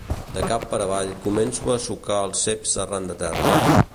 De cap per avall, començo a assocar els ceps arran de terra.